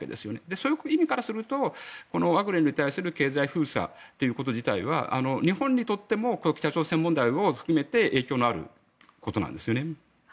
そういう意味からするとワグネルに対する経済封鎖ということに関しては日本にとっても北朝鮮問題を含めて影響のあることなんですよね。